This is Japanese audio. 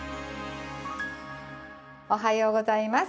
おはようございます。